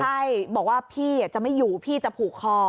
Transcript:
ใช่บอกว่าพี่จะไม่อยู่พี่จะผูกคอ